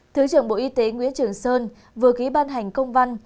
thứ trưởng bộ y tế nguyễn trường sơn vừa ký ban hành công văn